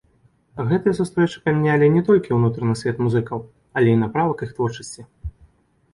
Гэтыя сустрэчы памянялі не толькі ўнутраны свет музыкаў, але і напрамак іх творчасці.